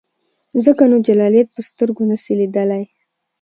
ځکه نو جلالیت په سترګو نسې لیدلای.